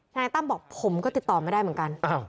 นายตั้มบอกผมก็ติดต่อไม่ได้เหมือนกัน